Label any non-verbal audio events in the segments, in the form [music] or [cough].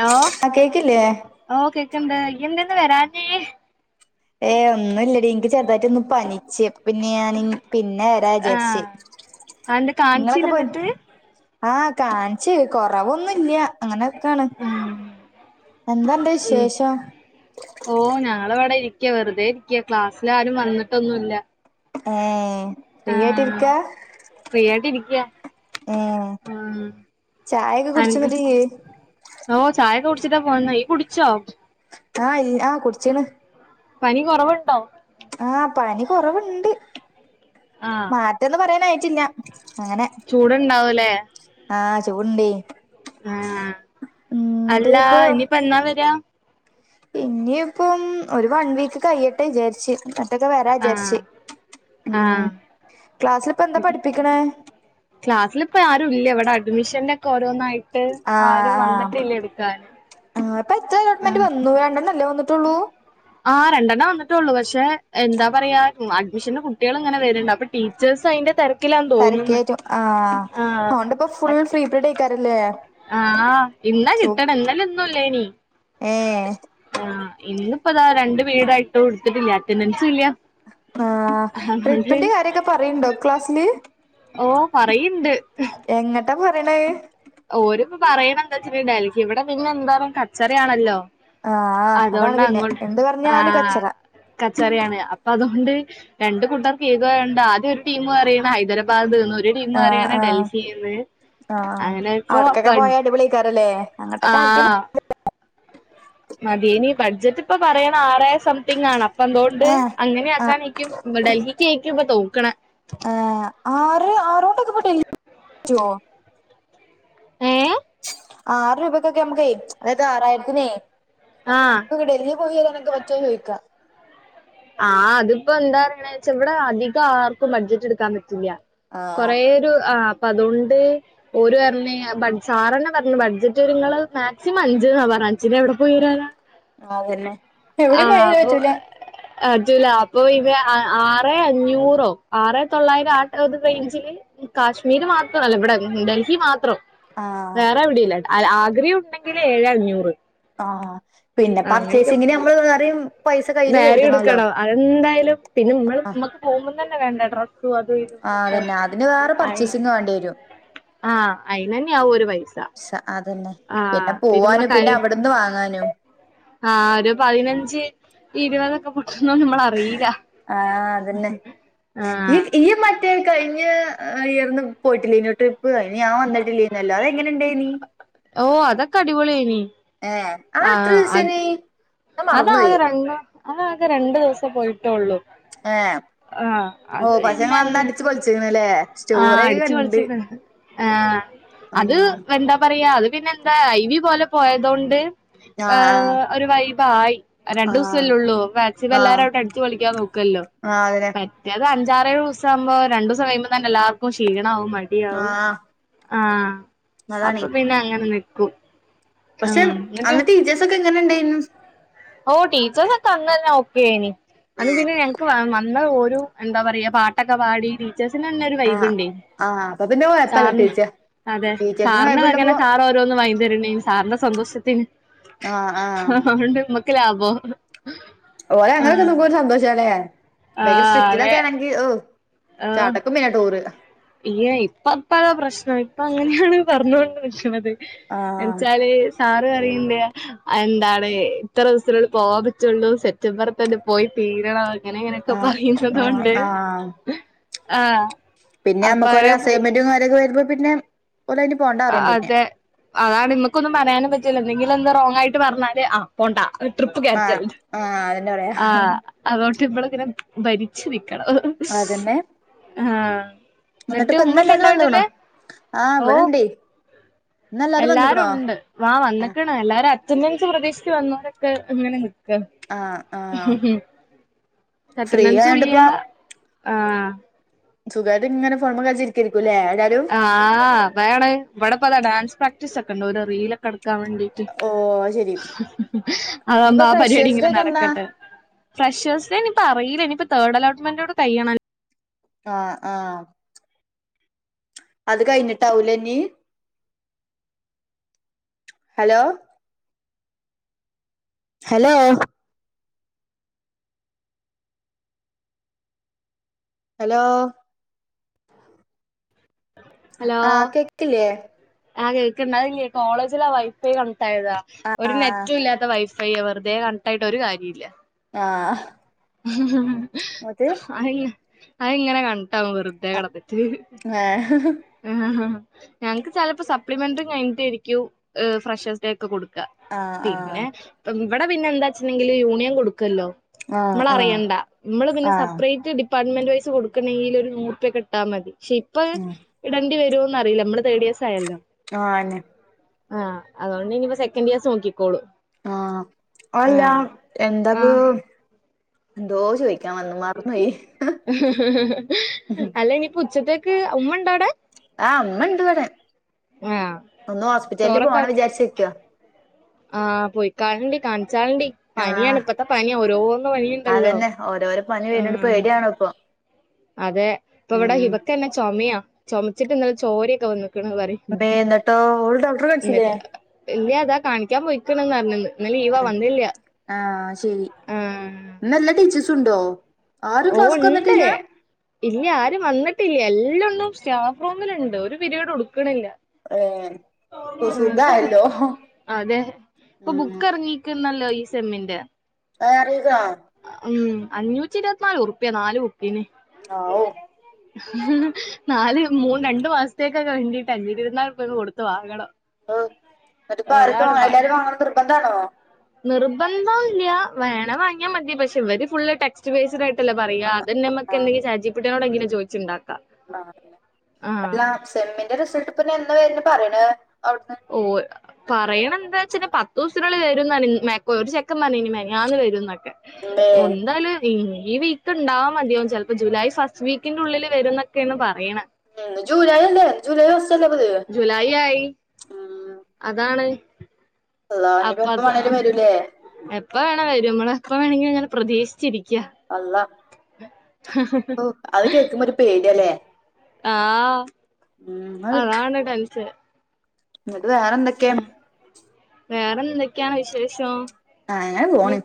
Law ആഹ് കേക്കില്ലേ ഓ കേക്ക്ണ്ട് ഈയ്യെന്തിന്ന് വരാഞ്ഞേ? ഏയ്‌ ഒന്നുല്ലടി നിക്ക് ചെറുതായിട്ടൊന്ന് പനിച്ച്. പിന്നെ ഞാന് പിന്നെ വരാ വിചാരിച്ച് ആഹ് അതെന്താ നിങ്ങളൊക്കെ കാണിച്ചില്ല പോയിരുന്നോ? എന്നിട്ട് ആ കാണിച്ച്. കൊറവൊന്നുല്ല്യാ അങ്ങനൊക്കെയാണ് ഉം എന്താന്റെ വിശേഷോ? രിക്ക വെറുതേ ഇരിക്ക ക്ലാസ്സിൽ ആരും വന്നിട്ടൊന്നുല്ല. ഏ ആഹ് ഫ്രീയായിട്ടിരിക്ക. ചായൊക്കെ ആ കുടിച്ചോ ണ്ട് ന്നിട്ട് ഇയ്യ് ഓ ചായ ഒക്കെ കുടിച്ചിട്ട പോന്നെ. ഇയ് കുടിച്ചോ? ആയി ആ കുടിച്ചീണ്. പനി കൊറവ്ണ്ടോ? ആഹ് പനി കൊറവിണ്ട്. മാറ്റന്ന് പറയാനായിറ്റില്ല. ചൂട്ണ്ടാവൂലേ? ചൂടുണ്ടെ ആഹ് അല്ലാ ഇനീപ്പ എന്നാ വര്യാ? ഇനീപ്പം ഒരു വൺ വീക്ക് കഴിയട്ടെന്ന് വിചാരിച്ച് എട്ടൊക്കെ വരാ ആഹ് വിചാരിച്ച്. ഉം ആഹ് ക്ലാസ്സിലിപ്പ എന്താ പഠിപ്പിക്കണേ ക്ലാസിൽ ഇപ്പ ആരൂല്ല ഇവിടെ മിഷന്റെക്കെ ഓരോന്നായി ആ ആ ആ ഇപ്പൊ എത്ര അലോട്ട്മെന്റ് വന്നു രണ്ടെ അല്ലേ വന്നിട്ടുള്ളൂ? ആ രണ്ടെണാവന്നിട്ടുള്ളൂ പക്ഷെ എന്താ പറയാ അഡ്മിഷന്റെ കുട്ടികൾ ഇങ്ങനെ വരുണ്ട് അപ്പൊ ടീച്ചേഴ്സ് അതിന്റെ തിര തെരക്കേറ്റും ആ അവോണ്ടിപ്പോ ഫുൾ ഫ്രീ പീരീഡ് ഇരിക്കാരില്ലേ ആ ഇന്നാ കിട്ടണം എന്നലെ ഒന്നുംല്ലേനി ഏഹ് ആ ഇന്നിപ്പോതാ രണ്ട് പിരീഡായിട്ടു ഇടുത്തിട്ടില്ല അറ്റൻഡൻസും ഇല്ല. ആ അതുകൊണ്ട് ട്രിപ്പിന്റെ കാര്യൊക്കെ പറയ്ണ്ടോ ക്ലാസ്സില്? ഓ പറയ്ണ്ട്. എന്താ പറയ്ണെ? ഓര്പ്പ പറയണേന്താ [unintelligible] ഇവിടെ പിന്നെ എന്തായാലും കച്ചറ ആണല്ലോ? ആഹ് അതാണ് അതുകൊണ്ട് പിന്നെ അങ്ങോട്ട് എന്ത് ആ പറഞ്ഞാല് കച്ചറ കച്ചറയാണ് അപ്പൊ അതുകൊണ്ട്. രണ്ട് കൂട്ടർക്ക് ഈഗോ ഉണ്ട് ആദ്യ ഒരു ടീമ് പറയണേ ഹൈദരാബാദ് ന്ന് ഒരു ടീമ് പറയ്ണ് ഡൽഹിന്ന്. ആ അങ്ങനെ ഇപ്പോ അവിടക്കൊക്കെ ബഡ് പോയ അടിപൊളിയേക്കാറുല്ലേ അങ്ങോട്ടൊക്കെ ആക്കിയ മതിയിനി ബഡ്ജറ്റ് ഇപ്പ പറയണേ ആറായിരം സംതിങ് ആണ്. അപ്പൊ അന്തുകൊണ്ട് ആഹ് അങ്ങനെ ആഹ് ആക്കാനായിക്കും ന്യൂഡൽഹിക്ക് ക്കായിക്കും ഇപ്പ തൂക്കണേ ആ ആറ് ആറൊണ്ടൊക്കെ ഇപ്പൊ ഡൽഹിക്ക് പറ്റോ? ഏ ആറ് രൂപക്കൊക്കെ നമുക്ക് അതായത് ആറായിരത്തിനേ ആഹ് ട്രിപ്പോക്കെ ഡൽഹി പോയി നിനക്ക് പറ്റോന്ന് ചോദിക്കാ. ആ അതിപ്പോ എന്താ പറയണേന്ന് വെച്ചാ ഇവിടെ അധികം ആർക്കും ബഡ്ജറ്റ് എടുക്കാൻ പറ്റൂല്ലാ. ആഹ് കൊറേ ഒരു ആ പ്പ അതൊണ്ട് ഓര് പറഞ്ഞേ ആ ബഡ് സാറെന്നെ പറഞ്ഞു ബഡ്ജറ്റ്ങ്ങള് മാക്സിമം അഞ്ച്ന്നാ പറ പാൻസൊക്കെ എവിടെ പോയിരൂന ആ അതെന്നെ എവിടെം പോയാലും പറ്റൂല അത് ലാപ്പ് പിന്നെ അ ആറെ അഞ്ഞൂറോ ആറെ തൊള്ളായിരം ആ ടേ റേഞ്ചില്. കാശ്മീര് മാത്രല്ല ഇവിടെ ഡൽഹി മാത്രം. ആഹ് വേറെ എവിടില്ലട്ടോ അല്ല ആഗ്രഹയും ഉണ്ടെങ്കില് ഏഴ് അഞ്ഞൂറ്. ആ പിന്നെ പർച്ചേസിങ്ങിന് നമ്മള് വെറിം പൈസ് വേറിം എടുക്കണം അതെന്തയാലും പിന്നെ മ്മള് മ്മക്ക് പോകുമ്പോ തന്നെ വേണ്ടെ ഡ്രസ്സ്‌. ആ അതന്നെ അതിന് വേറെ അയി പർച്ചേസിങ് വേണ്ടി വരും. ആഹ് അയിനന്നെ ആവും ഒരു പൈസ സ അതന്നെ പിന്നെ ആഹ് പോവാനും പിന്നെ അവിടുന്ന് വാങ്ങാനും. നും ആ രു പതിനഞ്ച് ഇരുപതൊക്കെ പൊ ആ അതന്നെ ഇയ് ആഹ് ഈ മറ്റേ കഴി ഇയ് ഇയർന്ന് പോയിട്ടില്ലേയ്നോ ട്രിപ്പ് അയ്ന് ഞാൻ വന്നിട്ടില്ലേനല്ലോ അതെങ്ങനെണ്ടായിനീ? ഓ അതൊക്കെ അടിപൊളിനീയ്. ആ എത്ര ദിവസേനീ അതാകെ രണ്ടോ അതകെ രണ്ടു ദിവസം പോയിട്ട് ന്റോള്ളൂ ഏ ആ ഓ അതു പക്ഷെ ഇങ്ങള് അന്ന് പിന്നെന്നാ അടിച്ച് പൊളിച്ച്ക്ക്ണ്ല്ലേ ആ സ്റ്റോറിയൊക്കെ അടിച്ച് കണ്ട് പൊളിച്ച്ന്ന് ആ ഉം അത് എന്താ പറയാ അത് പിന്നെ ന്താ ഐവി പോലെ പോയതൊണ്ട്. ആഹ് ഒരു വൈബായി. ആഹ് രണ്ടുദിസൊല്ലോള്ളൂ മാക്സിമം ആഹ് എല്ലാരും അവിടെ അടിച്ചു പൊളിക്കാൻ നോക്കുല്ലോ ആഹ് ആഹ് അതന്നെ പറ്റുകന്നോ റ്റാറെഴുസമ്പോ രണ്ടു ദിവസം കഴിയുമ്പോ തന്നെ എല്ലാവർക്കും ക്ഷീണവും മടിയാവും ആഹ് ആ. അതാണെ അപ്പൊ പിന്നെ അങ്ങനെ നിക്കും. പക്ഷെ ആഹ് അന്ന് ടീച്ചേഴസ് ഒക്കെ എങ്ങനെ ഇണ്ടെയിനു? ഓ ടീച്ചേസൊക്കെ അന്നുതന്നെ ഓക്കെയിന് അന്ന് പിന്നെ ഞങ്ങക്ക് [unintelligible] ന്നാ ഒരു എന്താ പറയാ പാട്ടൊക്കെ പാടി ടീചെയ്സ് തിന് തന്നെ ഒരു ആഹ് വൈബ്ണ്ടേ ആഹ് അപ്പൊ പിന്നെ കൊഴപ്പല്ല സാറിന് ടീച്ചർ അതെ ടീച്ചേഴ്സിന് സാറിന്റെ വൈബിണ്ടപ്പോ വകന്നെ സാർ ഓരോന്ന് വാങ്ങി [unintelligible] സാറിന്റെ സന്തോഷത്തിന്. ആ ആ. ക്ക് ലാബോ? ഹ് ഹ് ഓല് അങ്ങനൊക്കെ നിക്കുമ്പോ ഒരു സന്തോഷാല്ലേ ഭയങ്കര ആഹ് അതെ സ്ട്രിക്റ്റ്ലോക്കാണെങ്കി ഓ. ചടക്കും പിന്നെ ടൂറ്. ഇല്ല്യ ഇപ്പ ഇപ്പഴ പ്രശ്നം ഇപ്പ അങ്ങനെയാണ് പറഞ്ഞോണ്ട് നിക്ക്ണത്. ആഹ് എൻച്ചാല് സാറ് പറിയിണ്ട് എന്താണ് ഇത്ര ദിവസത്തിനുള്ളിൽ പോവാൻ പറ്റൊള്ളൂ സെപറ്റംബറിൽ തന്നെ പോയി തീരണം അങ്ങനെ ങ്ങനെയൊക്കെ ആഹ് ആഹ് പറയുന്നുന്നതോണ്ട് ആഹ് ആ. പിന്നെ അമ്മക്കൊരു അസൈൻമെന്റുംകാര്യക്കെ വരുമ്പോ പിന്നെ ഓലയിന് പോണ്ടാ അ പറയും പിന്നെ അതെ അതാണ് മക്കൊന്നും പറയാനും പറ്റില്ല എന്തെങ്കിലും ന്തോ റോങ്ങായിട്ട് പറഞ്ഞാല് അ പോണ്ട ട്രിപ്പ് ആഹ് ക്യാൻസൽഡ് ആഹ് അതന്നെ ആ പറയാ അതോണ്ട് ന്ന്ട്ട് മ്മള് ങ്ങനെ ഭരിച്ചു നിൽക്കണം അതന്നെ ആആ എന്നിട്ട് ന്ന്ട്ട് ഇപ്പ ഇന്ന് എല്ലാരും ഉമ്മക്കെണ്ടോ വന്ന്ക്ക്ണോ വീട്ടില് ആഹ് ഓ ഇവിടെണ്ടേ ഇന്ന് വന്ന്ക്ക്ണോ എല്ലാരും ണ്ട് വാ വന്ന്ക്ക്ണ് എല്ലാരു അറ്റൻഡൻസ് പ്രതീക്ഷിച്ച് വന്നോരൊക്കെ ഇങ്ങനെ ആ ആ അറ്റെന്റെൻസുല്ല്യ ആ സുഖായിട്ടിങ്ങനെ ഫോൺമെകളിചിരി ആ [unintelligible] ഇവിടെപ്പതാ ഡാൻസ് പ്രാക്ടീസൊക്കെണ്ട് ഒരു റീലൊക്കെ എടു കാൻ വേണ്ടീട്ട് ഓഹ് അത് ശെരി അതാവുമ്പോ ഇനിയിപ്പോ ആ ഫ്രഷേഴ്സ് ഡേ പരിപാഡ്യെങ്കിലും ഒക്കെ എന്നാ നടക്കട്ടെ. ഫ്രഷേഴ്സ് ഡേ ഇനിയിപ്പോ അറീല ഇനിയിപ്പം തേർഡ് അലോട്ട്മെന്റോടെ കയ്യണം. ആ ആ അത് കഴിഞ്ഞിട്ടാവുംലെ ഞ്ഞി? ഹലോ ഹലോ ഹലോ ഹലോ ആ കേക്കില്ല്യേ? ആ കേൾക്ക്ണ്ട് അഹ് ല്യേ കോളേജിലെ വൈഫൈ കണക്ട് ആയതാ ആഹ് ഒരു നെറ്റും ഇല്ലാത്ത വൈ ഫൈ പയ്യെ വെറുതെ കണക്ട്ടായിട്ട് ഒരു കാര്യംല്ല്യാ. ആ ഹ് അയി അയിങ്ങനെ കണക്ട്ടാവും വെറുതെ കെടന്ന് ഏ ഹ് ഹ് ഹ് ഹ് ഹ് ഞങ്ങക്ക് ചെലപ്പോ സപ്ലിമെന്ററി കഴിഞ്ഞിട്ടായിരിക്യു ഫ്രഷേഴ്സ് ഡേ ഒക്കെ കൊടുക്കാ ക ആഹ് ആഹ് പിന്നെ ഇവിടെ പിന്നെന്താ ച്ചിണ്ടെങ്കില് യൂണിയൻ കൊടുക്കും കല്ലോ ആഹ് ആഹ് ഇമ്മളറിയണ്ട മ്മള് പിന്നെ ആഹ് സെപ്പറേറ്റ് ടിപ് പാട്ട്മെന്റ് വൈസ് കൊടുക്കണെങ്കിൽ ഒരു നൂർ പ്പ്യക്കൊട്ടാ മതി പക്ഷെപ്പൊ ഉം വരണ്ടി വരോന്നറിയില്ല മ്മള് തേഡി യേസ് ആ അയെന്നെ. ആഹ് അതോണ്ട് ഇനിപ്പോ സെക്കൻഡ് ഇയേഴ്‌സ് നോക്കിക്കോളും. ആ അഹല്ല ആഹ് എന്താപദോ ദോഷ് ഹ് ഹ് ഹ് അല്ല ഇനിപ്പോ ഉച്ചത്തേക്ക് ഉമ്മണ്ടോആടെ? ആ ഉമ്മണ്ട് ഇവടെ ആഹ് ഒന്ന് ഹോസ്പിറ്റലില് പോണം വിചാരിച്ച്ക്ക. ആ പോയിക്കാൾണ്ടി കാണി ച്ചാൾണ്ടി പനിയാണ് ആഹ് ഇപ്പത്തെ പനിയാ ഓരോന്ന് പനിണ്ടല്ലോ അതന്നെ ഓരോരോ പനി ആ വര്ണോണ്ട് പേടിയാണ് ഇപ്പൊ അതെ ഇപ്പൊവടെ ഉം ഹിബക്കെന്നെ ചുമയാ ചുമച്ചിട്ട് ഇന്നലെ ചോരൊക്കെ വന്ന്. ക്കണ് പറി മ്മേ എന്നിട്ടോ ഓള് ഡോക്ടറെ കാണിച്ചില്ലേ ന്നിട്ട് ഇല്ല്യ ഇതാ കാണിക്കാൻ പോയിക്ക്ണ്ന്ന് പറഞ്ന്ന്. ആഹ് ശെരി ഇന്നെല്ലാ ടീച്ചേഴ്സുണ്ടോ? ഓ ഇണ്ട് ഇല്ല്യാ അ അരും വന്നിട്ടില്ല്യാ എല്ലാണ്ണും സ്റ്റാഫ് റൂമിലുണ്ട് ഒരു പിരിയേടും ഇട്ക്ക്ണില്യ. ഏഹ് അ ഇപ്പൊ ഇപ്പൊബുക് സുഖായല്ലോ അതെ ഇപ്പൊ ഉം ബുക്ക് ഇറങ്ങീക്ക് ന്നല്ലോ ഈ സെമ്മിന്റെ [unintelligible] ഉം അഞ്ഞൂറ്റി ഇരുപത്തിനാല്റുപ്പിയാ നാല് ബുക്ക് ആവു നാല് മൂന്ന് രണ്ടു മാസത്തേക്കൊക്കെ വേണ്ടിട്ട അഞ്ഞൂറ്റി ഇരൂപത്തിനാൽ ക്കോ കൊടുത്ത് വാങ്ങണം. ഹ് ന്നട്ട്പ്പോ ആരൊക്കെ അതാണ് പാട് എല്ലാരും വാങ്ങണം നിർബന്ധാണോ? നിർബന്ധം ഇല്ല വേണ വാങ്ങിയാൽ മതി പക്ഷെ ഇവര് ഫുള് ടെക്സ്റ്റ് ബേയ്സെഡ് ആയിട്ടു ട്ടല്ലേ പറയാ അതെന്നെ മ്മക്ക് എന്തെങ്കിലും ചാറ്റ് ജി പി നോട് എങ്കിലും ചോയ്ച്ചിണ്ടാക്ക. ആ അല്ല സെമ്മിന്റെ റിസൾട്ട ഇപ്പൊ എന്നാ വ രുന്നേ പറയുന്നേ? ഓ പറയണെന്ത്‌? ച്ച് പത്ത് ദിവസത്തിനുള്ളിൽ വരും പറഞ്ഞി മേ ക്കൊ ഒരു ചെക്കൻ പറഞ്ഞനി മിനിഞ്ഞാന്ന് വെരുന്നൊക്കെ. ഇമ്മേ ഒന്നാലും ഈ വീക്ക് ഉണ്ടാവും അധികവും ചിലപ്പോ ജൂലൈ ഫസ്റ്റ് വീക്കിന്റെ ഉള്ളില് വരുന്നൊക്കെയാണ് പറയ്ണേ. മം ജൂലായി അല്ലേ ജൂലൈ ഫാസ്റ്റ് അല്ലെ പ്പത് ജൂലൈ ആയി മം. അപ്പത് അ വേണേലും വരൂലേ എപ്പോ വേണേലും വെരും ഇങ്ങള് എപ്പോവെണെങ്കിലും ങ്ങനെ പ്രതീക്ഷിച്ചിരി അള്ളാഹ് ഹോ അത് കേൾക്കുമ്പോ ഒരു പേടിയാലെ? ആഹ് അതാണ് ടെൻഷൻ. ന്നട്ട് വേറെന്തൊക്കെ? വേറെന്തൊക്കെയാണ് വിശേഷോം? ആഹ് ഇങ്ങനെ പോണ്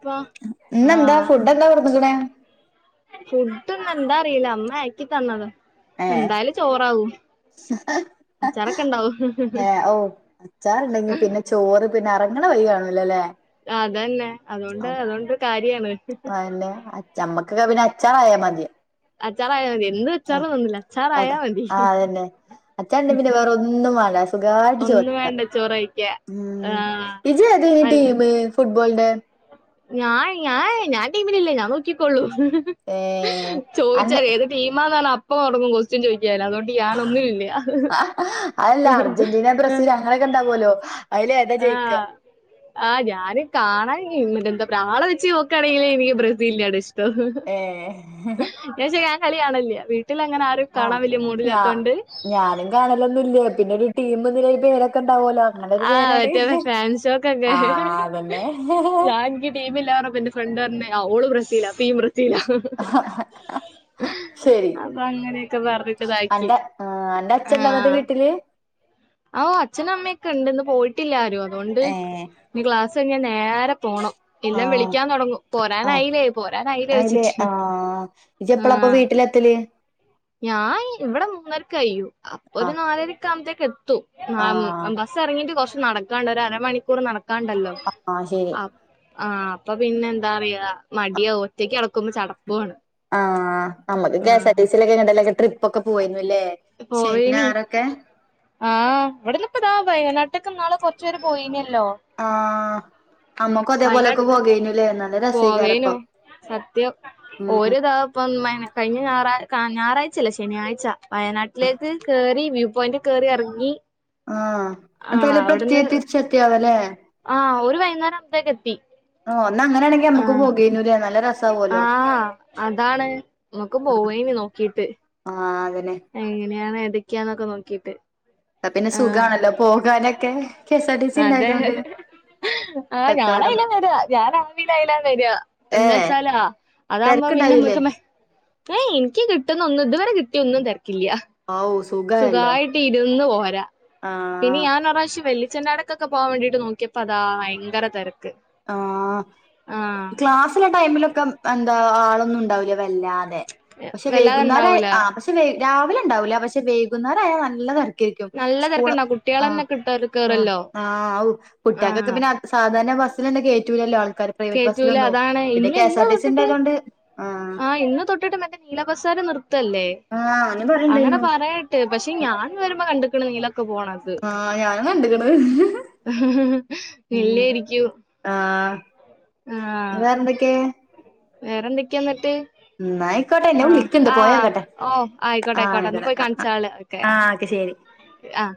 ഇന്നെന്താ ആഹ് ഫുഡ് എന്താ കൊടുത്ക്കണേ ഫുഡ് ഇന്ന് എന്താ അറിയില്ല അമ്മ ആക്കി തന്നത് ഏ എന്തായാലും ചോറാവും അച്ചാറൊക്കെ ഉണ്ടാവും ഏ ഓ അച്ചാറണ്ടെങ്കി പിന്നെ ചോറ്ന്തിന് പിന്നെ ഇറങ്ങണ വഴി കാണുല്ല അതന്നെ അതുകൊണ്ട് അതുകൊണ്ട് കാര്യാണ് പിന്നെ അന്നെ അമ്മക്കൊക്കെ പിന്നെ അച്ചായ മതിയ [unintelligible] അച്ചാർആയോ ആ അത ആ അതന്നെ അച്ചാറ് ഇൻടങ്ക് വേറെ ഒന്നും വേണ്ട സുഗായിട്ട് ഒന്നും ചോയ്ക്ക വേണ്ട ചോറ് കഴിക്ക ആഹ് ഇജ്ജ് ഏത അൽ ടീമ ഫുട്ബോൾ ഡേ ഞാൻ ഞായ ഞാൻ ടീമിലില്ല ഞാൻ നോക്കിക്കൊള്ളൂ ഏ അന്റെ ചോയിച്ചാല് ഏത് ടീമാണ് അപ്പ ഉറങ്ങും ചോയിച്ച ൻ അതുകൊണ്ട് ഞാനൊന്നുനുല്ല അതല്ല അർജന്റീന ബ്രസീൽ അങ്ങനെയൊക്കെ ഉണ്ടാവല്ലോ അതിൽ ഏതാ ജയിക്ക ആഹ് ആഹ ഞാനും കാണും ആളെച്ച് നോക്കുകയാണെങ്കിൽ എക്ക് ബ്രസീലിനെ ആണ് ഏ ച്ച ഞാൻ കളി കാണലില്ല ആ ഞ ഞാനും കാണലൊന്നുല്ല പിന്നെ ഒരു ടീം പേരൊക്കെ ഉണ്ടാവുമലോ ആഹ പറ്റിയ ഫാൻസോക്കെക്കെ ആ അതന്നെ ഞാ എനിക്ക് ടീമില്ല പറഞപ്പാ എന്റെ ഫ്രണ്ട് പറഞ്ഞെ ആഹ് ഓള് ബ്രസീല ഫീ ആഹ ഹ ഹ ഉ അത അങ്ങനെയൊക്കെ പറഞ്ഞിട്ടിതാക്കി അന്റെ ആ അന്റെ അച്ഛൻ ഉണ്ടോ എന്നിട്ട് ആഹ വീട്ടില് ആഹ അച്ഛനും അമ്മയൊക്കെ ഉണ്ട്ന്ന് പോയിട്ടില്ല ആരും അതുകൊണ്ട് ഏ ഇ ക്ലാസ് എങ്ങനെ നേരെ പോണം ആ ഇല്ലാം വിളിക്കാൻ തുടങ്ങും ആ പോരാനായില്ലേ പോരാനായില്ലേ അയില്ലേ ചിറ്റ് ആ ഇജ്ജ് എപ്പള അപ്പ വീട്ടിലെത്തല് ഞാൻ ഇവിടെ മൂന്നരക്ക് കയ്യും അപ്പൊ ആ ഒരു നാലരക് ആവുമ്പോത്തേക്ക ആ എ ബസ് ഇറങ്ങിയിട്ട് കുറച്ച് നടക്കാണ്ട് ഒരു അരമണിക്കൂർ കണ്ടല്ലോ ആ ആ അപ്പൊ പിന്നെ എന്താ റയാ മടിയാ ഒറ്റക്ക് അടക്കുമ്പോ ചടപ് മ്മക്ക് K S R T C ലൊക്കെ എങ്ങട്ടല്ലോ ട്രിപ്പ്‌ ഒക്കെ പുവായിന് പോവനി ആഹ് ഇവിടന്ന്പ്പതയനാട്ട ക്കം നാളേ കുറചേരം പോയി [unintelligible] ആഹ മ്മക്ക്‌ അതേപോലെക് വയനാട്ട് പോകേനയില്ലേ നല്ല പോവേനു രസയികരപ്പം സത്യം ഓര് താപ്പം ഇമ്മനെ കഴിഞ്ഞ ഞായറാ ഞായറാഴ്ചല്ല ശനിയാ്ച വയനാട്ടിലേക്ക് കേയറി വ്യൂ പോയിന്റ് കേറി ഇറങ്ങി ആഹ അട്ട അല പ്രത്യേ തിരിച്ചത്തിയാവല്ലേന്നെ ആഹ ഒരു വൈന്നേരം ആകുമ്പത്തേക്ക എത്തി ഓ ഒന്ന് അങ്ങനൊണെങ്കിൽ നമുക്ക്‌ പോകാനയില്ലോ നല്ല രസ് ആഹ അതാണ് നമ്മക്ക് പോവേനി നോക്കീട്ട് ആഹ് അതന്നെ എങ്ങനെയാണ് ഏതൊക്കെയാന്നൊക്കെ നോക്കീട്ട് എന്ന പിന്നെ ആഹ് സുഖണല്ലോ പോകാനൊക്കെ കെഎസ് ആർ ടി സി ഇണ്ടായതൊണ്ട് ആ് ഞാനയില വര ഞാൻ ആമീ അയില വര എന്ന ഏഹ് വെച്ചാലാ അതാകുമ്പോ പിന്നെ തിരക്കുണ്ടാവില്ലേ മ്മക്ക് മെ എനിക്ക് കിട്ടുന്ന ഒന്നും ഇതുവരെ കിട്ടിയ ഒന്നും തിരക്കില്ല ഔ സുഖായല്ലോ സുഖായിട്ട് ഇരുന്ന് പോരാ പിന്നെ ആഹ് ഞാനൊരാ ശ്യ വല്ല ചന്റ അടക്കൊക്കെ പോവാൻ വേണ്ടിട്ട് നോക്കിയപ്പോതാ ഭയങ്കര തെര ആഹ ക്ലാസ്സിലെ ടൈമിലൊക്കെ എന്താ ആളൊന്നും ഉണ്ടാവില്ല വല്ലാതെ പക്ഷെ വൈകുന്നേരം വല്ലാതെണ്ടാവൂല ആ പക്ഷെ രാവിലെ ഉണ്ടാവൂല പക്ഷെ വേകുന്നേരം ആയാ നല്ലതാ നിക്കും നല്ല സ്‌കൂള് തെരക്കുണ്ടാവും ആ കുട്ട്യാളെന്നെ കിട്ട കേറല്ലോ ആ കുട്ട്യാക്കൊക്കെ ആഹ് പിന്നെ സാധാരണ [unintelligible] കേറ്റൂലല്ലോ ആള് കേറ്റൂല അതാണ് ഇന്ന് ഇന്ന് സി തൊട്ടിട്ട് ഉണ്ടായതുകൊണ്ട് ആ ആഹ് ഇന്ന് തൊട്ടിട്ട് മറ്റേ നിലബസറ് നിർത്തല്ലേ ആ ഓനും അങ്ങനെ പറയണ്ടായിരുന്നു പറയട്ടെ പക്ഷെ ഞാൻ വരുമ്പോ കണ്ട്ക്ക്ണ് ക്കെ പോണത് ആ ഞാനും കണ്ട്ക്ക്ണ് ഇല്ലായിരിക്കും ആഹ് വേറെന്തൊക്കെ വേറെന്തൊക്കെയാ എന്നിട്ട് ന്നായിക്കോട്ടെ എന്നെ വിളിക്കുണ്ട് പോയി നോക്കട്ടെ ഓ ആയിക്കോട്ടെ ആ ആയിക്കോട്ടെ എന്നാ പോയി കാണിച്ചാള് ഓക്കെ ആഹ് ഇവിടെ ശരി ആഹ്